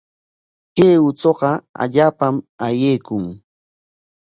Kay uchuqa allaapam ayaykun.